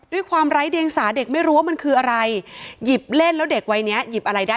ด้วยความไร้เดียงสาเด็กไม่รู้ว่ามันคืออะไรหยิบเล่นแล้วเด็กวัยเนี้ยหยิบอะไรได้